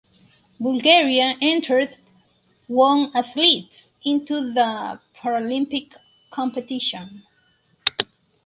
Bulgaria entered one athletes into the Paralympic competition.